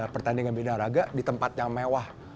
pertandingan binaraga di tempat yang mewah